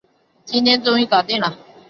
终于今天搞定了